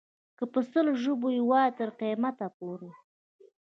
که په سل ژبو یې وایې تر قیامته پورې.